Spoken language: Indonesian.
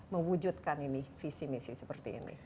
mewujudkan ini visi misi seperti ini